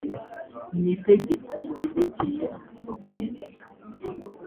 ni itegeko ryerekeye amasoko ya leta